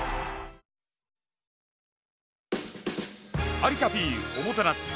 「有田Ｐおもてなす」。